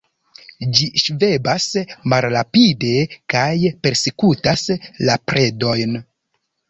Ĝi ŝvebas malrapide kaj persekutas la predojn.